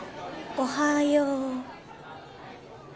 おはよう。